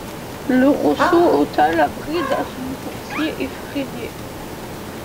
Le Rosso ôta la bride à son coursier effréné.